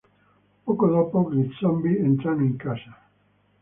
Poco dopo gli zombi entrano in casa.